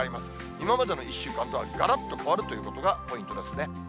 今までの１週間とは、がらっと変わるということがポイントですね。